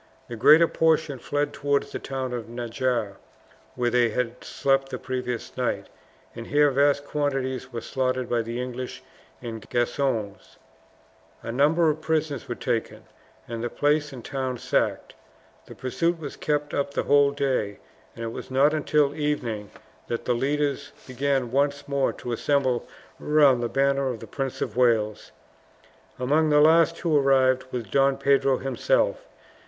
The greater portion fled towards the town of Najarra, where they had slept the previous night, and here vast quantities were slaughtered by the English and Gascons. A number of prisoners were taken, and the palace and town sacked. The pursuit was kept up the whole day, and it was not until evening that the leaders began once more to assemble round the banner of the Prince of Wales. Among the last who arrived was Don Pedro himself.